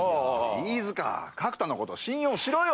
飯塚角田のこと信用しろよ。